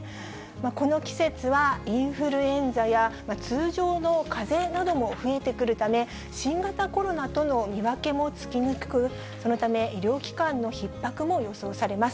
この季節はインフルエンザや通常のかぜなども増えてくるため、新型コロナとの見分けもつきにくく、そのため、医療機関のひっ迫も予想されます。